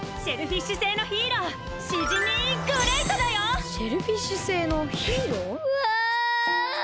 シェルフィッシュ星のヒーローシェルフィッシュ星のヒーロー？